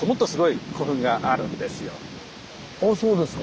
あそうですか。